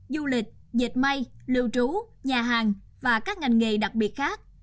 du lịch dịch may lưu trú nhà hàng và các ngành nghề đặc biệt khác